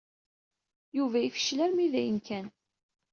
Yuba yefcel armi d ayen kan.